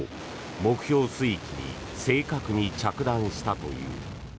目標水域に正確に着弾したという。